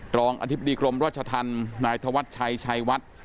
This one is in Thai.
รองอธิบดีกรมราชธรรมนายธวัชชัยชัยวัด